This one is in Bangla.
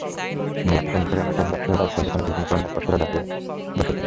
মেলাকে কেন্দ্র করে এলাকার ব্যবসায়ীরা অস্থায়ী দোকানে বিভিন্ন পণ্যের পসরা সাজিয়ে বসেছেন।